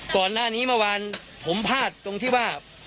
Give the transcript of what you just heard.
เมื่อวานนี้เมื่อวานผมพลาดตรงที่ว่า